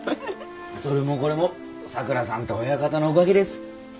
それもこれも佐倉さんと親方のおかげです。